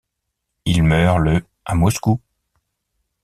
Il meurt le à Moscou.